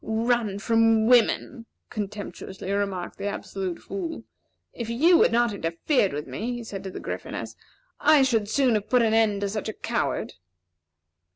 "Run from women!" contemptuously remarked the Absolute Fool. "If you had not interfered with me," he said to the Gryphoness, "I should soon have put an end to such a coward."